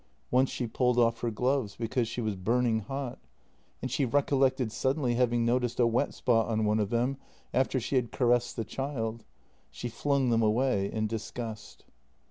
Once she pulled off her gloves, because she was burning hot, and she recollected suddenly having noticed a wet spot on one of them after she had caressed the child. She flung them away in disgust.